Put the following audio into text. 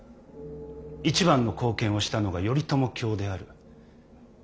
一番の貢献をしたのが頼朝卿である。